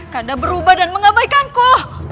ganda berubah dan mengabaikanku